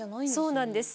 そうなんです。